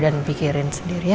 dan pikirin sendiri ya